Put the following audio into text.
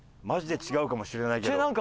「マジで違うかもしれないけど」。